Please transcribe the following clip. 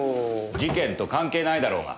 事件と関係ないだろうが。